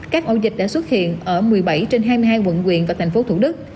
các ổ dịch đã xuất hiện ở một mươi bảy trên hai mươi hai quận quyện và thành phố thủ đức